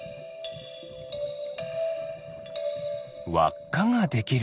わっかができる。